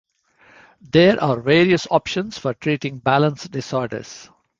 There are various options for treating balance disorders.